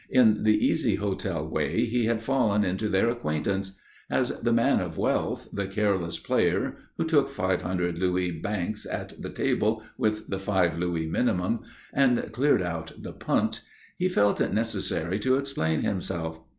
In the easy hotel way he had fallen into their acquaintance. As the man of wealth, the careless player who took five hundred louis banks at the table with the five louis minimum, and cleared out the punt, he felt it necessary to explain himself.